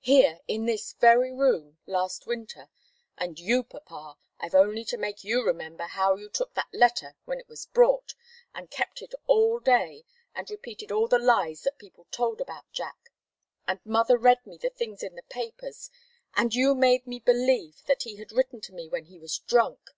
Here, in this very room, last winter and you, papa I've only to make you remember how you took that letter when it was brought, and kept it all day, and repeated all the lies that people told about Jack and mother read me the things in the papers and you made me believe that he had written to me when he was drunk.